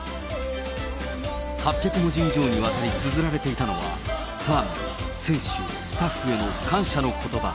８００文字以上にわたりつづられていたのは、ファン、選手、スタッフへの感謝のことば。